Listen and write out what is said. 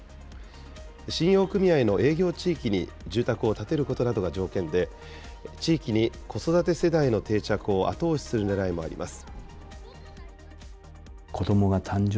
信用組合の営業地域に住宅を建てることなどが条件で、地域に子育て世代の定着を後押しするねらいもあります。